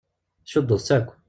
Tcuddeḍ-tt akk!